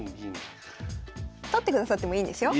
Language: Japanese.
取ってくださってもいいんですよ。